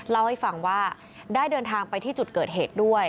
เล่าให้ฟังว่าได้เดินทางไปที่จุดเกิดเหตุด้วย